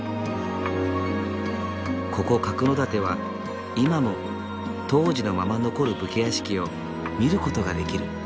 ここ角館は今も当時のまま残る武家屋敷を見る事ができる。